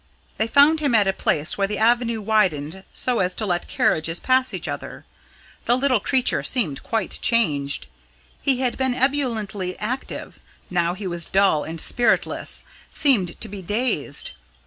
They found him at a place where the avenue widened so as to let carriages pass each other. The little creature seemed quite changed. He had been ebulliently active; now he was dull and spiritless seemed to be dazed.